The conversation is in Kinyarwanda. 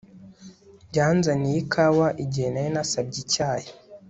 Yanzaniye ikawa igihe nari nasabye icyayi